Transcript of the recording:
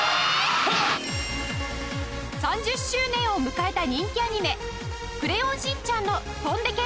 ３０周年を迎えた人気アニメ『クレヨンしんちゃん』のとんでけ！